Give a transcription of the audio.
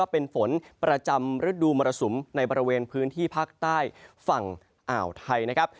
เป็นฝนประจำฤดูมรสุมในบริเวณพื้นที่ภาคใต้ฝั่งอ่าวไทยนะครับ